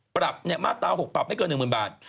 ปรับมาตรา๖ปรับไม่เกิน๑๐๐๐บาท